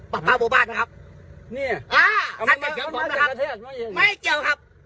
ปลาปลาบุบัตรนะครับเนี่ยอ่าท่านจะเกี่ยวของนะครับไม่เกี่ยวครับ